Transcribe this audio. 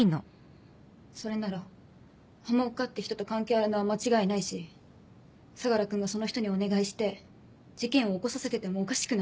それなら浜岡って人と関係あるのは間違いないし相楽君がその人にお願いして事件を起こさせててもおかしくない。